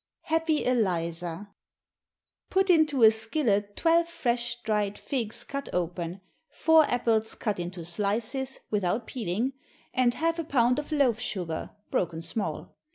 Happy Eliza. Put into a skillet twelve fresh dried figs cut open, four apples cut into slices without peeling, and half a pound of loaf sugar, broken small.